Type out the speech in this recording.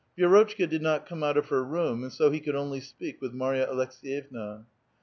Vi^rotchka did not come out of her room, and so he could only speak with Marya Aleks^yevna.